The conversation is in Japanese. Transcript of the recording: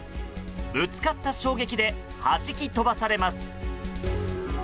ぶつかった衝撃で弾き飛ばされます。